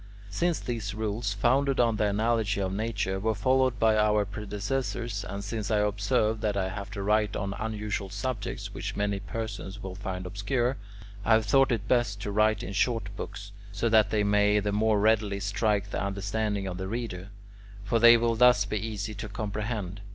Since these rules, founded on the analogy of nature, were followed by our predecessors, and since I observe that I have to write on unusual subjects which many persons will find obscure, I have thought it best to write in short books, so that they may the more readily strike the understanding of the reader: for they will thus be easy to comprehend.